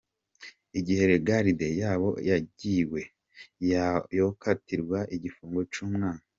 Igihe Lagarde yoba yagiwe, yokatirwa igifungo c'umwaka.